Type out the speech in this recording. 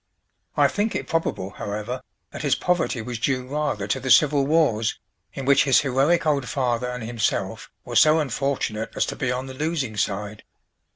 I think it probable, however, that his poverty was due rather to the civil wars, in which his heroic old father and himself were so unfortunate as to be on the losing side.